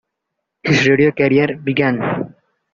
His radio career began.